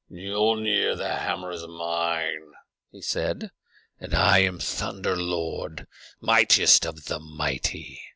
"Miölnir the hammer is mine," he said, "and I am Thunder Lord, mightiest of the mighty.